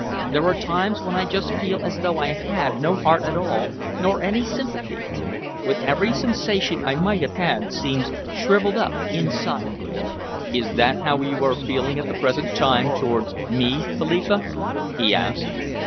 There are times when I just feel as though I had no heart at all, nor any sympathy; when every sensation I might have had seems shrivelled up inside me." "Is that how you are feeling at the present time towards me, Philippa?" he asked.